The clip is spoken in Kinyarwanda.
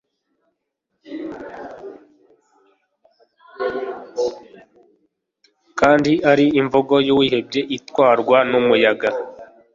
kandi ari imvugo y'uwihebye itwarwa n'umuyaga